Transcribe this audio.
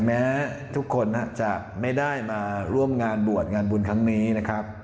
แม้ทุกคนจะไม่ได้มาร่วมงานบวชงานบุญครั้งนี้นะครับ